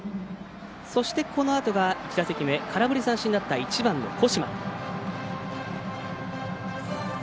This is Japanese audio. そして、このあとが１打席目空振り三振だった１番の後間。